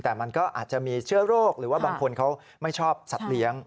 แต่มันก็อาจจะมีเชื้อโรคหรือว่าบางคนเขาไม่ชอบสัตว์เลี้ยง